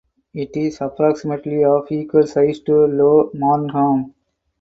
It is approximately of equal size to Low Marnham.